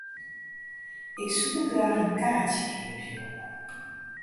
Ik soe graach in kaartsje keapje wolle.